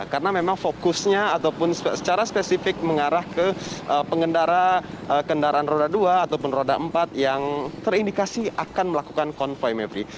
karena memang fokusnya ataupun secara spesifik mengarah ke pengendara kendaraan roda dua ataupun roda empat yang terindikasi akan melakukan konvoy mepri